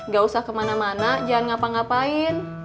gak usah kemana mana jangan ngapa ngapain